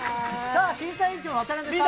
審査員長の渡辺さん。